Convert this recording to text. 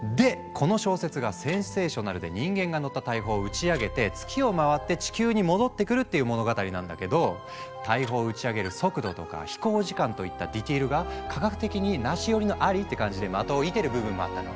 この小説がセンセーショナルで人間が乗った大砲を打ち上げて月を回って地球に戻ってくるっていう物語なんだけど大砲を打ち上げる速度とか飛行時間といったディテールが科学的にナシ寄りのアリって感じで的を射てる部分もあったの。